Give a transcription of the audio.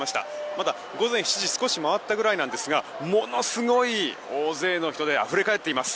まだ午前７時少し回ったくらいなんですがものすごい大勢の人であふれ返っています。